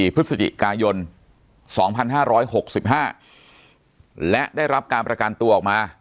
พฤศจิกายน๒๕๖๕และได้รับการประกันตัวออกมา